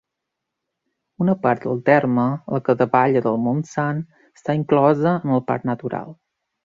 Una part del terme, la que davalla del Montsant, està inclosa en el Parc Natural.